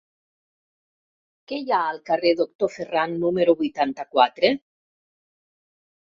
Què hi ha al carrer del Doctor Ferran número vuitanta-quatre?